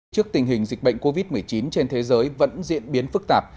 trước tình hình dịch bệnh covid một mươi chín trên thế giới vẫn diễn biến phức tạp